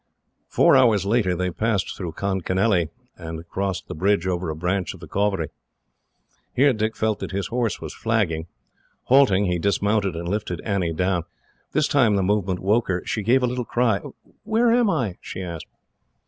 Four hours later they passed through Conkanelly, and crossed the bridge over a branch of the Cauvery. Here Dick felt that his horse was flagging. Halting, he dismounted, and lifted Annie down. This time the movement woke her; she gave a little cry. "Where am I?" she asked.